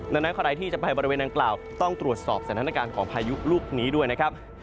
ดังนั้นใครที่จะไปบริเวณนางกล่าวต้องตรวจสอบสถานการณ์ของพายุลูกนี้ด้วยนะครับ